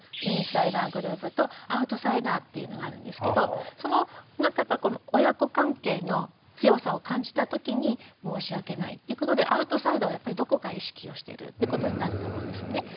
インサイダーグループとアウトサイダーっていうのがあるんですけどその親子関係の強さを感じた時に申し訳ないっていうことでアウトサイダーをどこか意識をしてるってことになると思うんですね。